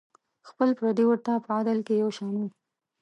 خپل پردي ورته په عدل کې یو شان وو.